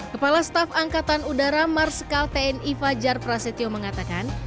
kepala staf angkatan udara marsikal tni fajar prasetyo mengatakan